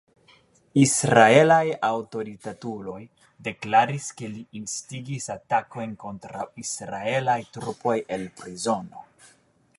Israelaj aŭtoritatuloj deklaris, ke li instigis atakojn kontraŭ israelaj trupoj el prizono.